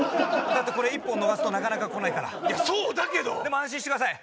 だってこれ１本逃すとなかなか来ないからいやそうだけどでも安心してください